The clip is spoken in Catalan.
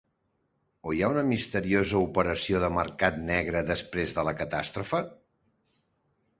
O hi ha una misteriosa operació de mercat negre després de la catàstrofe?